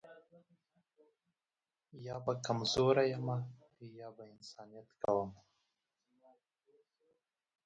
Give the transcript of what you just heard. یا به کمزوری یمه یا به انسانیت کومه